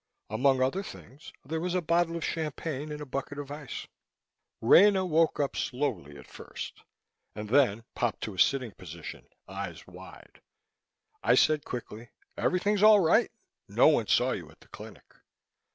Among other things, there was a bottle of champagne in a bucket of ice. Rena woke up slowly at first, and then popped to a sitting position, eyes wide. I said quickly, "Everything's all right. No one saw you at the clinic."